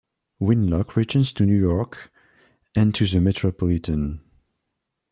Winlock returned to New York and to the Metropolitan.